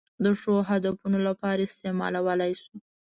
د ښو هدفونو لپاره استعمالولای شو.